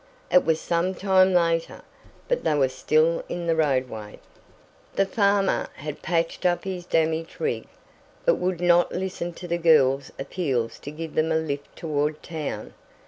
It was some time later, but they were still in the roadway. The farmer had patched up his damaged rig, but would not listen to the girls' appeals to give them a lift toward town.